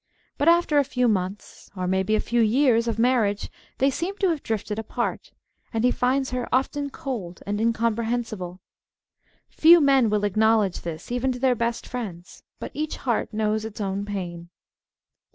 But after a few months, or maybe a few years of marriage they seem to have drifted apart, and he finds her often cold and incomprehensible. Few men will acknowledge this even to their best friends. But each heart knows its own pain.